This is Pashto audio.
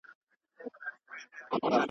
په څارنه يي څوک و ګوماري